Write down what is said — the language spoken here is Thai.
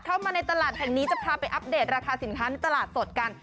เข้ามาในตลาดแห่งนี้จะพาไปอัปเดตราคาสินค้าในตลาดสดกัน